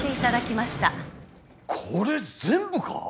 これ全部か！？